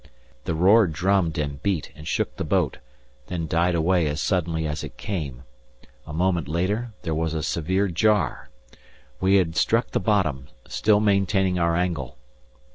The roar drummed and beat and shook the boat, then died away as suddenly as it came; a moment later there was a severe jar. We had struck the bottom, still maintaining our angle.